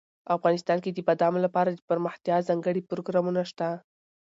افغانستان کې د بادامو لپاره دپرمختیا ځانګړي پروګرامونه شته.